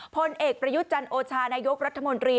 พลเอกประยุทธ์จันโอชานายกรัฐมนตรี